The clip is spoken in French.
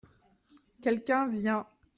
Quelqu’un vient.